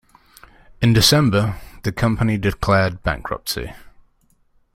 In December, the company declared bankruptcy.